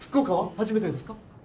初めてですか？